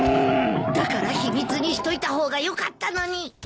だから秘密にしといた方がよかったのに。